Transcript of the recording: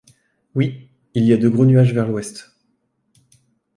Oui, il y a de gros nuages vers l'ouest.